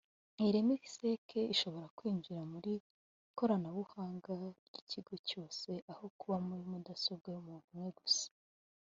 Iyi Remsec ishobora kwinjira mu ikoranabuhanga ry’ikigo cyose aho kuba muri mudasobwa y’umuntu umwe gusa